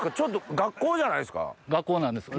学校じゃないですか？